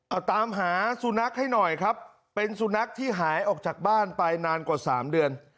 เอาตามหาสุนัขให้หน่อยครับเป็นสุนัขที่หายออกจากบ้านไปนานกว่าสามเดือน